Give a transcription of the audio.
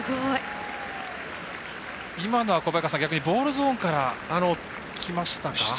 今のは、ボールゾーンからきましたか？